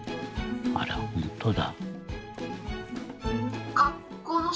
あらほんとだ。